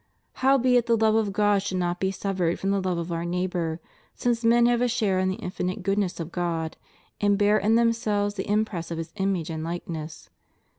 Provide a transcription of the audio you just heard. Howbeit the love of God should not be severed from the love of our neighbor, since men have a share in the infinite goodness of God and bear in themselves the impress of His image and likeness.